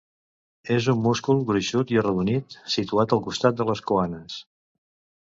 És un múscul gruixut i arrodonit situat al costat de les coanes.